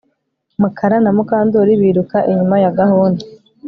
Mukara na Mukandoli biruka inyuma ya gahunda